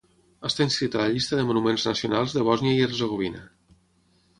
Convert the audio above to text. Està inscrit a la llista de monuments nacionals de Bòsnia i Hercegovina.